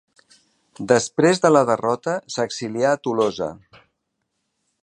Després de la derrota s'exilià a Tolosa.